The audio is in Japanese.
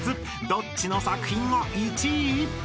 ［どっちの作品が１位？］